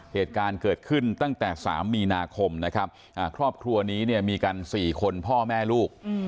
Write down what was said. เหตุการณ์เกิดขึ้นตั้งแต่๓มีนาคมนะครับครอบครัวนี้เนี่ยมีกัน๔คนพ่อแม่ลูก